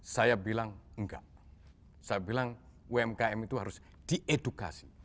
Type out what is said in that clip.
saya bilang enggak saya bilang umkm itu harus diedukasi